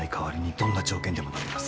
どんな条件でものみます